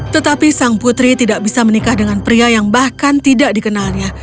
tetapi sang putri tidak bisa menikah dengan pria yang bahkan tidak dikenalnya